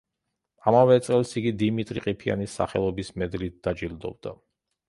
ამავე წელს იგი დიმიტრი ყიფიანის სახელობის მედლით დაჯილდოვდა.